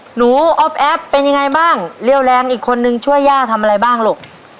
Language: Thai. อ๊อฟแอฟเป็นยังไงบ้างเรี่ยวแรงอีกคนนึงช่วยย่าทำอะไรบ้างลูก